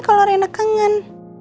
kalau rena kangen